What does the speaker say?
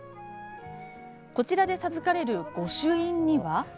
こちらで授かれる御朱印には。